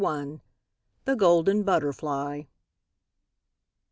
THE GOLDEN BUTTERFLY.